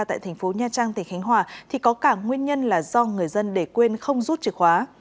tại thành phố nha trang tỉnh khánh hòa thì có cả nguyên nhân là do người dân để quên không rút chìa khóa